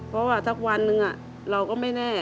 เพราะว่าสักวันหนึ่งเราก็ไม่แน่